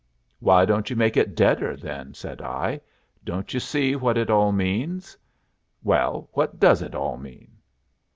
"Why don't you make it deader, then?" said I. "Don't you see what it all means?" "Well, what does it all mean?"